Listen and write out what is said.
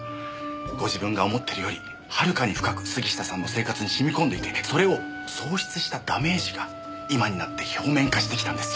ご自分が思ってるよりはるかに深く杉下さんの生活に染み込んでいてそれを喪失したダメージが今になって表面化してきたんですよ。